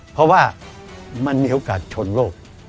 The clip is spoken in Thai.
เพราะว่ามันมีโอกาสชนโลก